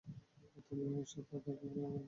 তুমি আমার সাথে থেকে থাকলে, দেখা দাও।